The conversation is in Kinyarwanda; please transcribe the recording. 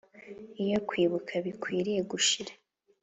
iyo kwibuka bikwiriye gushira